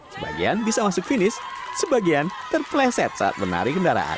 sebagian bisa masuk finish sebagian terpleset saat menarik kendaraan